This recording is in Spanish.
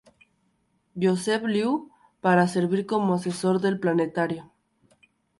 Joseph Liu para servir como Asesor del Planetario.